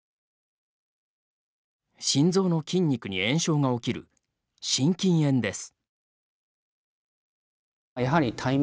心臓の筋肉に炎症が起きる心筋炎です。